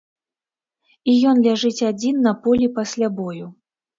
І ён ляжыць адзін на полі пасля бою.